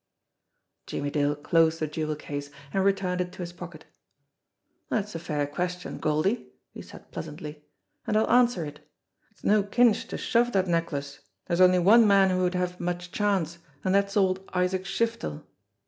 Jimmie Dale closed the jewel case, and returned it to his pocket. "That's a fair question, Goldie," he said pleasantly ; "and I'll answer it. It's no cinch to shove that necklace. There's only one man who would have much chance and that's old Isaac Shiftel."